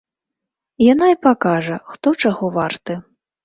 Яна і пакажа, хто чаго варты.